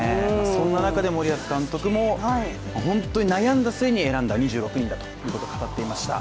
そんな中で森保監督も、本当に悩んだ末に選んだ２６人だと語っていました。